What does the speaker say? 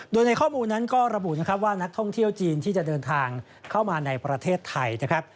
โดยในข้อมูลนั้นก็ระบุนะครับว่านักท่องเที่ยวจีนที่จะเดินทางเข้ามาในประเทศไทยนะครับ